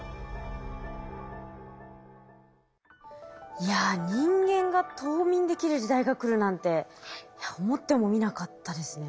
いや人間が冬眠できる時代が来るなんて思ってもみなかったですね。